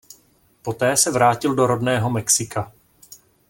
Poté se vrátil do rodného Mexika.